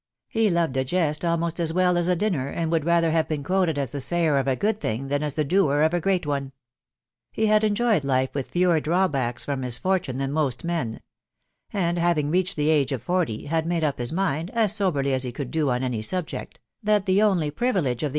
He loved a jest almost as well as a dinner, and would rather have been quoted as the sayer of a good thing tKan M the doer of a great one. He had enjoyed life with fewer drawbacks from misfortune than most men; and HaVtug reached the age of forty, had made up his mind, as soberly at he could do on any subject, that the only privilege, of the M* II THH WIDOW BABNABY.